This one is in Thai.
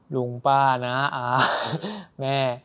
ลุงป้านะแม่